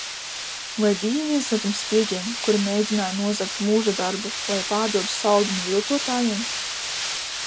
Vai biji viens no tiem spiegiem, kuri mēģināja nozagt mūžadarbu, lai pārdotu saldumu viltotājiem?